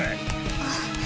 あっ。